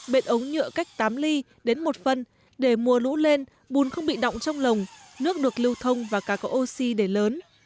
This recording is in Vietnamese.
bệt ống nhựa cách tám ly đến một phân để mùa lũ lên bùn không bị động trong lồng nước được lưu thông và cá có oxy để lớn